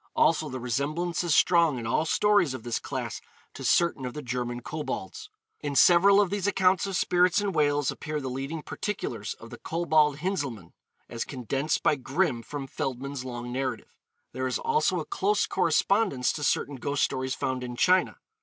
Also, the resemblance is strong in all stories of this class to certain of the German Kobolds. In several of these accounts of spirits in Wales appear the leading particulars of the Kobold Hinzelmann, as condensed by Grimm from Feldman's long narrative. There is also a close correspondence to certain ghost stories found in China.